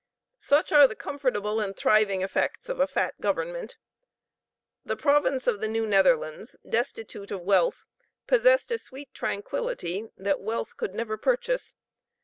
Such are the comfortable and thriving effects of a fat government. The province of the New Netherlands, destitute of wealth, possessed a sweet tranquillity that wealth could never purchase.